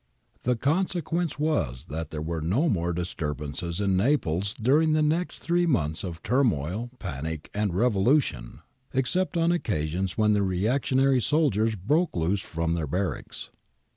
The consequence was that there were no more disturbances in Naples during the next three months of turmoil, panic, and revolution, except on occasions when the reactionary soldiers broke loose from their barracks.